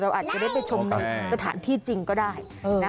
อาจจะได้ไปชมในสถานที่จริงก็ได้